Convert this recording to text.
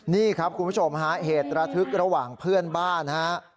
นี่ครับคุณผู้ชมฮะเหตุระทึกระหว่างเพื่อนบ้านฮะ